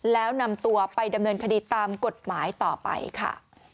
แล้วนำตัวไปดำเนินคดีตามกฎหมายต่อไปค่ะ